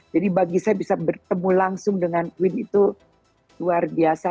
jadi bagi saya bisa bertemu langsung dengan queen itu luar biasa